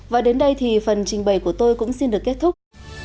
và đến đây thì phần trình bày của tôi cũng xin được kết thúc